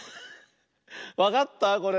わかったこれ？